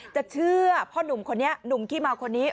จะเชื่อพ่อหนุ่มคนนี้หนุ่มขี้เมาคนนี้